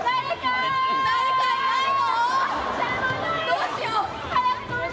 「どうしよう！」。